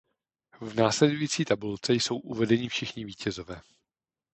V následující tabulce jsou uvedeni všichni vítězové.